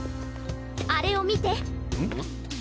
あれを見て。